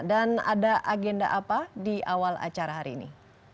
dan ada agenda apa di awal acara hari ini